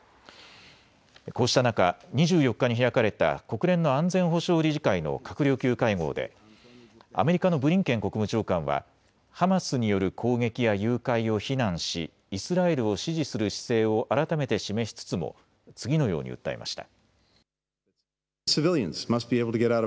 こうした中、２４日に開かれた国連の安全保障理事会の閣僚級会合でアメリカのブリンケン国務長官はハマスによる攻撃や誘拐を非難しイスラエルを支持する姿勢を改めて示しつつも次のように訴えました。